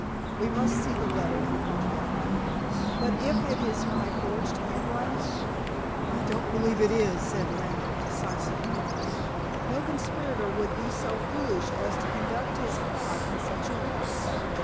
"We must see the letter and find out." "But if it is my forged handwriting?" "I don't believe it is," said Lambert decisively. "No conspirator would be so foolish as to conduct his plot in such a way.